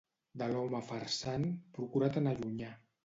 De l'home farsant, procura-te'n allunyar.